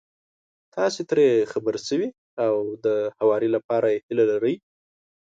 تاسې ترې خبر شوي او د هواري لپاره يې هيله لرئ.